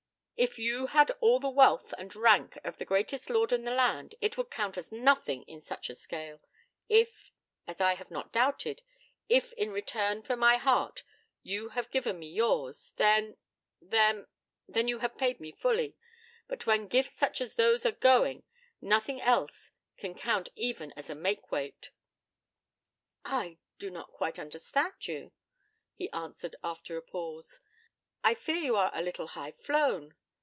If you had all the wealth and rank of the greatest lord in the land, it would count as nothing in such a scale. If as I have not doubted if in return for my heart you have given me yours, then then then, you have paid me fully. But when gifts such as those are going, nothing else can count even as a make weight.' 'I do not quite understand you,' he answered, after a pause. 'I fear you are a little high flown.'